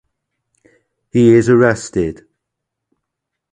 He is arrested.